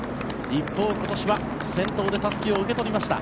一方、今年は先頭でたすきを受け取りました。